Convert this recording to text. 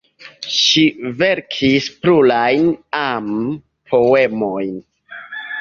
Ŝi verkis plurajn am-poemojn.